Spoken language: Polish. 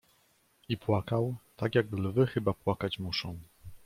"I płakał, tak jak lwy chyba płakać muszą."